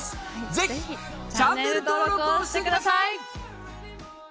ぜひチャンネル登録をしてください！